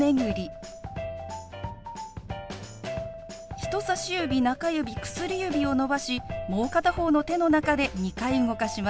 人さし指中指薬指を伸ばしもう片方の手の中で２回動かします。